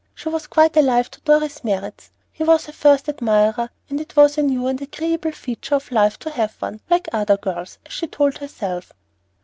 She was quite alive to Dorry's merits; he was her first admirer, and it was a new and agreeable feature of life to have one, "like other girls," as she told herself.